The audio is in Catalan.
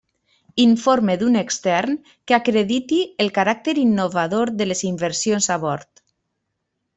Informe d'un extern que acrediti el caràcter innovador de les inversions a bord.